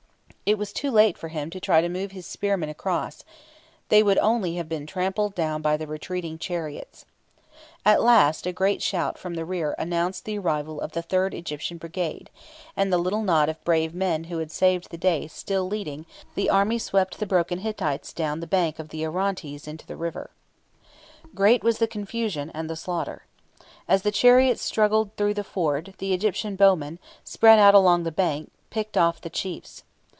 It was too late for him to try to move his spearmen across they would only have been trampled down by the retreating chariots. At last a great shout from the rear announced the arrival of the third Egyptian brigade, and, the little knot of brave men who had saved the day still leading, the army swept the broken Hittites down the bank of the Orontes into the river. Great was the confusion and the slaughter. As the chariots struggled through the ford, the Egyptian bowmen, spread out along the bank, picked off the chiefs.